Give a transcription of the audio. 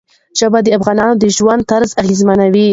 ژبې د افغانانو د ژوند طرز اغېزمنوي.